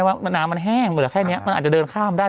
ว่าน้ำมันแห้งเบื่อแค่นี้มันอาจจะเดินข้ามได้